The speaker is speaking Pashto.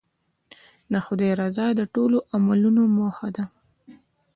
د خدای رضا د ټولو عملونو موخه ده.